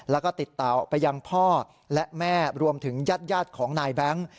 แล้วก็ติดต่อไปยังพ่อและแม่รวมถึงญาติของนายแบงค์